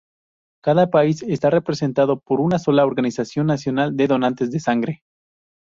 Cada país está representado por una sola organización nacional de donantes de sangre.